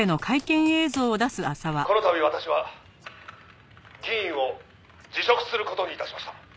「この度私は議員を辞職する事に致しました」